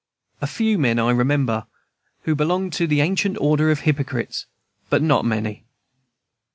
A few men, I remember, who belonged to the ancient order of hypocrites, but not many.